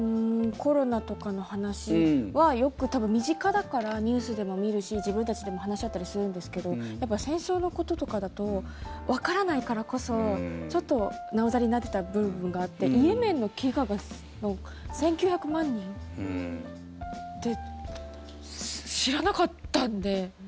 コロナとかの話は、よく多分、身近だからニュースでも見るし自分たちでも話し合ったりするんですけど戦争のこととかだとわからないからこそちょっと、なおざりになっていた部分があってイエメンの飢餓が１９００万人って知らなかったんで。